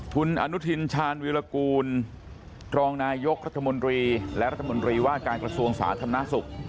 คุณอนุทินชาญวิรากูลรองนายกรัฐมนตรีและรัฐมนตรีว่าการกระทรวงสาธารณสุข